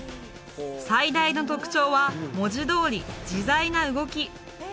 最大の特徴は文字どおり自在な動き